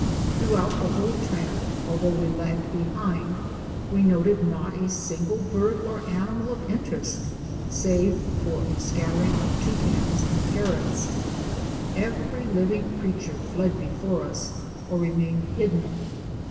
Throughout the whole tramp, although we lagged behind, we noted not a single bird or animal of interest save for a scattering of Toucans and Parrots. Every living creature fled before us or remained hidden.